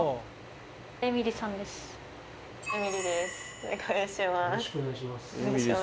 お願いします。